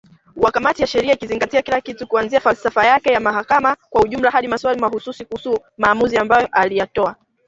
wa kamati ya sheria ikizingatia kila kitu kuanzia falsafa yake ya mahakama kwa ujumla hadi maswali mahususi kuhusu maamuzi ambayo aliyatoa